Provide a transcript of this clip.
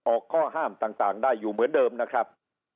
ข้อห้ามต่างได้อยู่เหมือนเดิมนะครับ